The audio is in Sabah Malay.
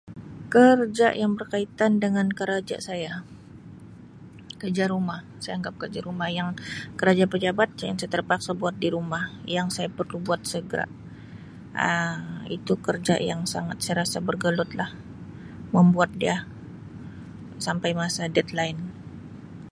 Kerja yang berkaitan dengan karaja saya, kerja rumah saya anggap kerja rumah yang kerja pejabat yang saya terpaksa buat di rumah yang perlu buat segera Um itu kerja yang sangat saya rasa bergelutlah membuat dia sampai masa deadline.